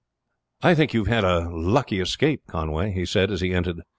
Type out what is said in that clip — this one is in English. "I think you have had a lucky escape, Conway," he said as he entered.